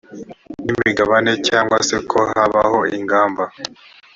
n imigabane cyangwa se ko habaho ingamba